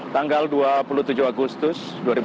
tanggal dua puluh tujuh agustus dua ribu delapan belas